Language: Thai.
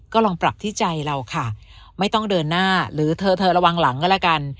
ก็ลองปรับที่ใจเราค่ะไม่ต้องเดินหน้าหรือเธอเธอระวังหลังก็แล้วกัน